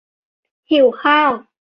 หิวข้าว~